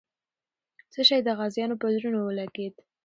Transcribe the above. څه شی د غازیانو په زړونو ولګېد؟